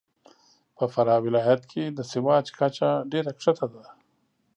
په فراه ولایت کې د سواد کچه ډېره کښته ده .